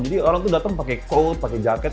jadi orang tuh datang pakai coat pakai jaket